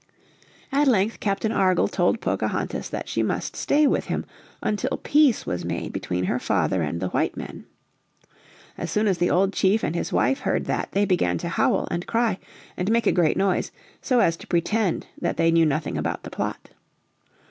At length Captain Argall told Pocahontas that she must stay with him until peace was made between her father and the white men. As soon as the old chief and his wife heard that they began to howl, and cry, and make a great noise, so as to pretend that they knew nothing about the plot.